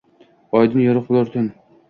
Oydin, yorug’ bo’lar tun».